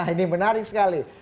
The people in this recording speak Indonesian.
ini menarik sekali